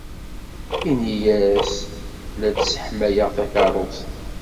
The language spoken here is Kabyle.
Ini-as la d-sseḥmayeɣ takeṛṛust.